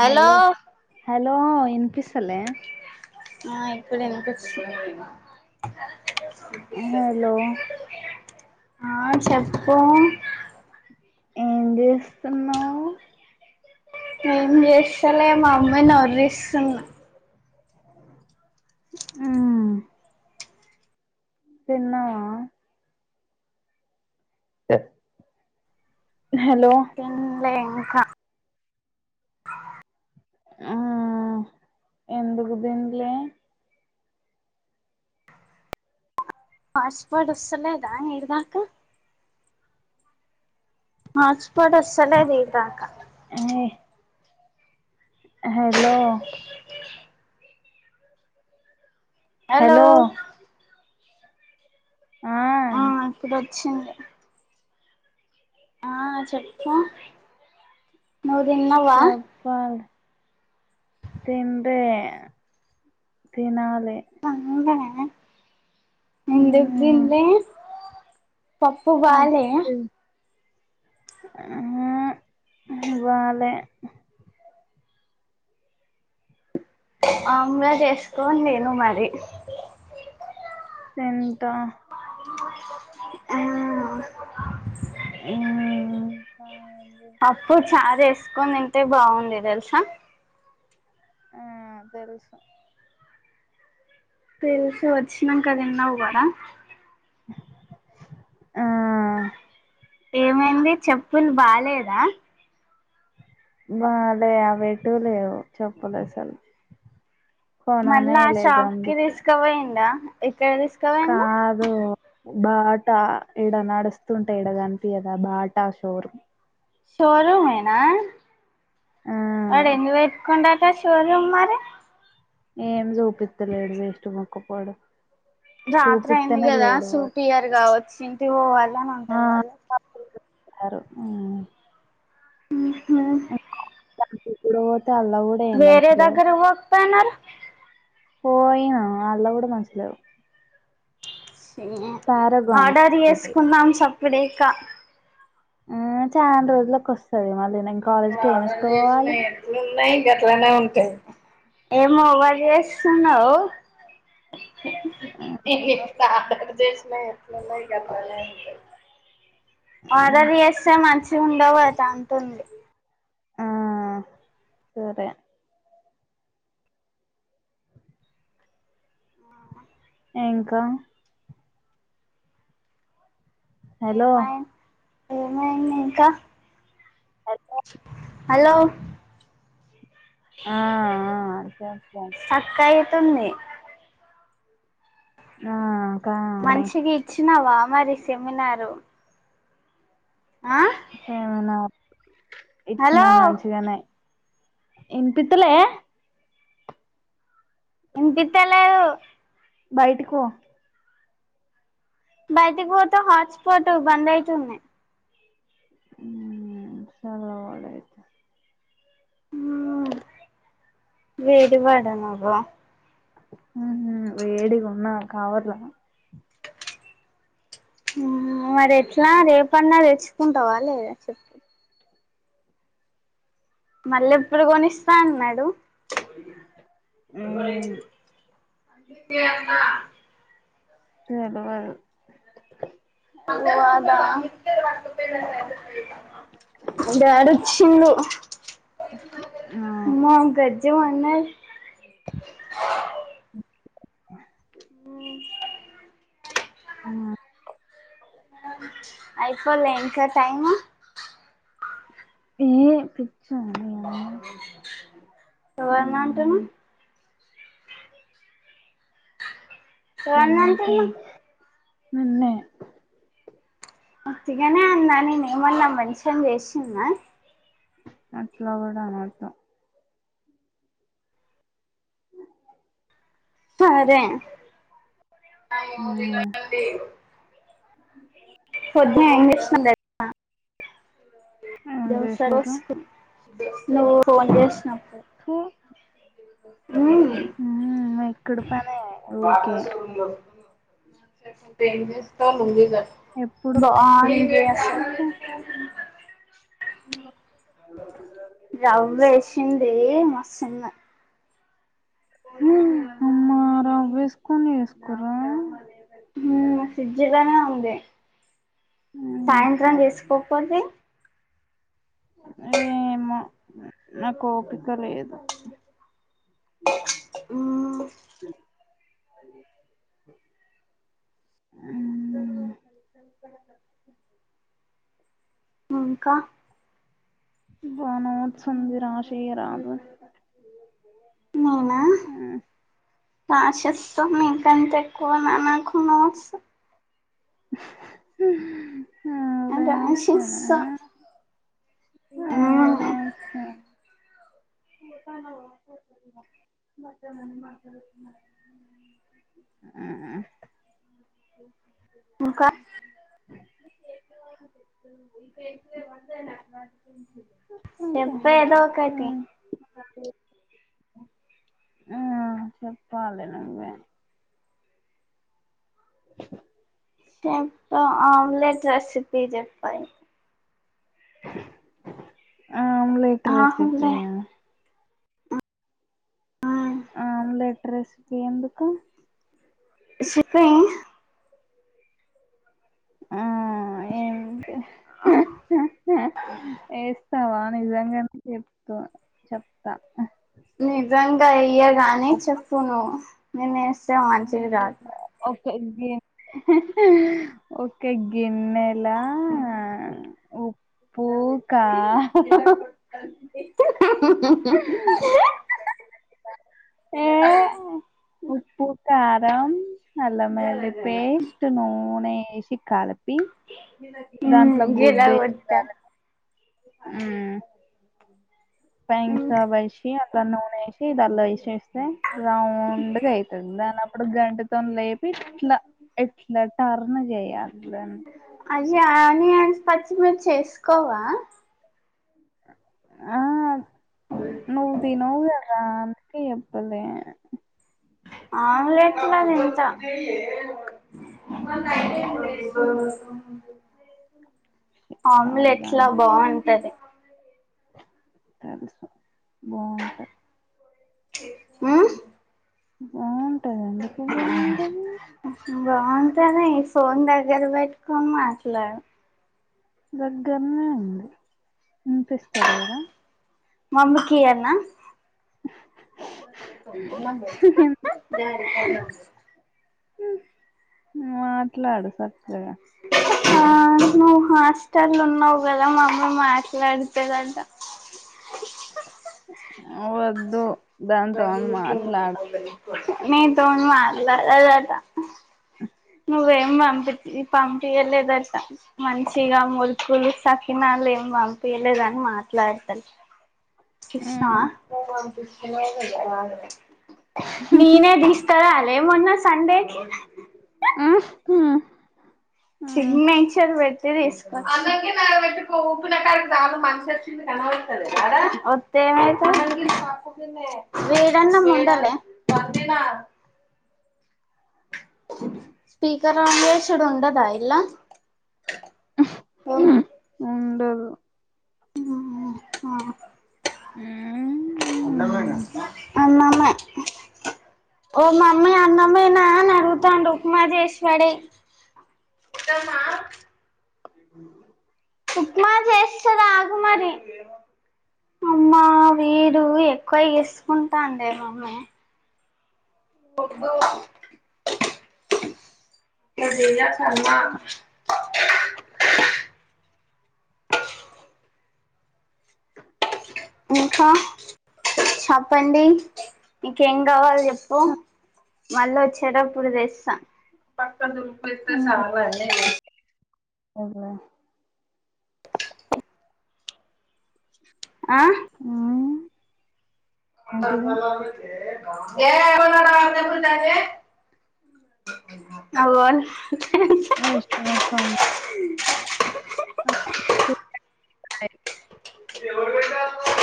Hello hello వినిపిస్తాందా ఆ ఇప్పుడు వినిపిస్తుంది హలో ఆ చెప్పు ఏం చేస్తున్నావు ఏం చేస్తలే మా అమ్మాయిని నోరిస్తున్నా ఉ తిన్నావా తే తిన్లే కా ఆ ఎందుకు తిన్లే పాస్పోర్ట్ వస్తలేదా ఈడదాకా పాస్పోర్ట్ వస్త లేదు ఈడ దాకా ఏ హలో హలో ఆ ఆ ఇక్కడ వచ్చింది ఆ చెప్పు నువ్వు తిన్నావా చెప్పలి తింటే తినాల [unintelligible] ఆ [unintelligible] పప్పు బాలే ఆ బాలే ఆమ్లెట్ వేసుకొని తిన్న అ మరి ఎంత ఆ ఇంకా ఏం అప్పుడు చేస్తున్నావ్ చారు వేసుకోంది ఇం ఇతే బాగుంది తెలుసా ఆ తెలుసు తెలిసి వచ్చినాంక తిన్నావు కూదా ఆ ఏమైంది చెప్పులు బాలేదా బాలే అవిటు లేవు చెప్పులు అసలు కొననే మళ్ళా ఆ లేదు షాప్ కి అందుకే తీసుకవ అయిందా కాదు బాటా ఎడ నడుస్తుంటె ఎడకనిపియదా బాటా షోరూమ్ షోరూమేనా ఆ అడ ఎందు పెట్టు షోరూమ్ మరి ఏం జు ఇత్తలేడు వేస్ట్ ముఖం వడు రాత్ర అయింది కదా సూపియర్ర్ కావచ్చు ఇంటి పోవాల అని ఉంటది వాళ్ళ అరు [inaudible] ఇప్పుడు అల్ల కూడా ఏం వేరే మంచిలేవు దగ్గర [unintelligible] పోయినా ఆళ్ళుకూడా మంచిగలేరు ఆర్డర్ ఒకటి చేసుకున్నాాం సబ్ ఇంకా ఆ చాలా రోజులకు వస్తది మళ్ళీ నేను ఇప్పుడ కాలేజ్కి ఏం ఆర్డర్ చేసిన ఏసుకపోవాలి ఎట్లు ఉన్నాయి ఎట్లానే ఉంటాయి ఏం వ చేస్తున్నావు ఎట్లా ఆడర్ చేసినా ఎట్లన్నా [unintelligible] ఉండవు అట అంటంది ఆ సరే ఇంకా హలో ఏమైంది ఏమైంది ఇంకా హలో ఆ అసే తుంది ఆ కానీ మంచిగా ఇచ్చినావా మరి సెమినారు ఆ సెమినార్ హలో ఇచ్చినా మంచిగానే ఇన్పితలే ఇన్పితలేదు బయటికో బయటికి పోత హాట్స్పాట్ బంద్ అయితుంది చాలా వాడయితే ఉ ఆ వేడి వడ నవ్వ వేడిగా ఉన్నా కావర్లా మరి ఎట్లా రేపన్నా తెచ్చుకుంటావాలేదా చెప్ మళ్ళీ ఎప్పుడు కొనిస్ అన్నడు ఉమ్ [unintelligible] తెలువదు వాద బేడ వచ్చిండు ఆ [unintelligible] జ మ అన్నా [inaudible] మ్ ఆ అయిపోలే ఇంకా టైము ఏ పిచ్చ నువ్వెమంటున్నావ్ ఉమ్ ఎవరిని అంటున్నావ్ [unintelligible] నిన్నే ఒత్తిగానే అన్నా నేనేమన్న మెన్షన్ చేసింన్నా అట్లా కూడా అనర్థం అదే ఏమో మ్మ్ తినండి [unintelligible] పొద్దున్నే ఏం చేస్ [unintelligible] [unintelligible] ఏం చేసిర్రు [unintelligible] నువ్వు ఫోన్ చేసినపుడే థూ మ్మ్ మెక్కుడు పనే మ్ ఊకే [unintelligible] ఎప్పుడు మెక్కుడే [unintelligible] ఉమ్ రవ్య ఏసిందే మస్త్ సన్న హ్ అమ్మ రవ్య ఏసుకొని ఏసుకున్నర్రా హ [unintelligible] ఉంది [unintelligible] మ్మ్ థూ సాయంత్రం చేసుకోకపొతే ఏమో నాకు ఓపిక లేదు ఊ... మ్ మ్... ఇంకా అబ్బా నోడ్స్ ఉంది రాసేయ రాదు నేనా ప్రాసశస్తం మీకంటే ఎక్కువ నాకు నోడ్స్ [unintelligible] అంత ఓవరాక్షన్ అసుస్సా మ్... ఓవరాక్షన్ మడత [inaudible] ఇంకా చెప్పు ఏదో ఒకటి చెప్పాలి నువ్వే [unintelligible] చెప్పా ఆమ్లెట్ రెసిపీ చెప్పా ఇ [unintelligible] ఆమ్లెట్ ఆమ్లెట్ రెసిపీయా ప్లేట్ రెసిపీ ఎందుకు సెప్పే ఆ ఆ ఎంటే ఏస్తావా నిజంగానే చెప్త చెప్తా హ్ నిజంగా ఇయడ్ కాని చెప్పను ననే స్ స మంచిది గాదు తగ్గి ఒక గిన్నెలా ఉప్పు కా ఏ అ ఉప్పు కారం అల్లం ఏల్లి పేస్ట్ నూనె ఏసి కాలి పి ఉమ్ దాంట్లో గుడ్డు ఏసి గిలగొట్టా [unintelligible] హ్ థాంక్స్ ఇంక్ సేబష్ ఇగ గా నూనె ఏసి దల్ల ఎసేస్త స్తం రౌండ్గా అయితది. దండ్ల అప్పుడు గంటె తోనీ లేపి ఇట్లా ఎట్లా టర్న్ జెయాలి. ఇట్ల న్ జాని అని పచ్చి మిర్చి ఏసుకోవా ఆ నువ్ తినవ్ గాదా. రా అందూకే జెప్పులే ఆమ్లేట్లూ గాదా ఇంట్ల మ ఆమ్లెట్లా పాడుగాని బాగుంటది తెలుసు బాగుంటాయి. హ్ ఆన్ ఉహు బాగుంటంది ఫోన్ దగ్గర పెట్టుకోని మాట్లాడు దగ్గరనే ఉంది ఇనిపిస్తలేదా మమ్మకి ఇయ్యన్నా [unintelligible] మా ట్లాడు సక్కగా ఆ నువ్వు హాస్టల్ ఉన్నావు కదా మమ్మి మాట్లాడతాదట అవు ద్దు దాంతోను మాట్లాడ నీతోన్ మాట్లాడదట నువ్వేం పంపిించ పంపించలేదంట మంచిగా మురుకులు సకినాలు ఏం పంపియలేదని మాట్లాడత చూసినవా [unintelligible] నీనే దిస్కారా లే మొన్న సండేకి ఆ అ తీ తీసుకో అందుకే నాకు వెట్టుకు ఊపినకాడికి చాలు మనిషి వచ్చింది కనపడ ఒతే [unintelligible] వేడన్నమండాలే వండినా స్పీకర్ ఆన్ చేసుడుండదా ఇళ్లా ఓ డదు ఆ ఆ ఊమ్ అన్నమే ఓ మమ్మి అన్నమేనా అడుగుతండు ఉప్మా జేసీ పడేయ్ [inaudible] ఉప్మా చేస్తది ఆగు మరి అమ్మా వీడు ఎక్కువ ఇసుకుంటాండే మమ్మీ [inaudible] ఇట్లా చెయ్యాల్నా అమ్మ ఇంకా చెప్పండి మీకేం కావాలి చెప్పు మళ్ళ వచ్చేటప్పుడు తెస్తా పది రూపయస్త చాలానే అవునా ఆ ఆ ఏ ఎ [unintelligible] అవున్ ఇస్తామో కాధో [unintelligible] హాయ్ ఎవరు పపెటాలో